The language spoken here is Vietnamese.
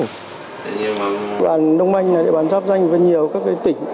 cơ quan đông anh là địa bàn giáp danh với nhiều các tỉnh